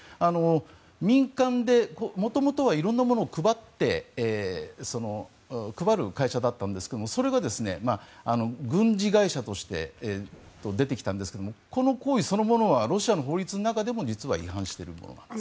民間で元々は色んなものを配る会社だったんですがそれが軍事会社として出てきたんですがこの行為そのものはロシアの法律の中でも実は違反しているんです。